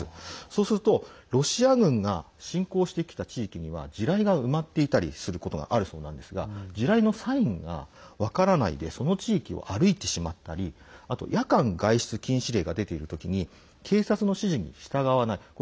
そうするとロシア軍が侵攻してきた地域には地雷が埋まっていたりすることがあるそうなんですが地雷のサインが分からないでその地域を歩いてしまったりあと、夜間外出禁止令が出ている時に警察の指示に従わない。